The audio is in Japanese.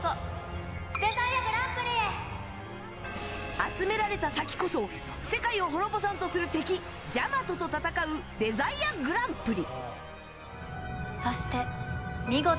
集められた先こそ世界を滅ぼさんとする敵ジャマトと戦うデザイアグランプリ。